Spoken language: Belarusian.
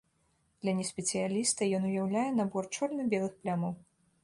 Для неспецыяліста ён уяўляе набор чорна-белых плямаў.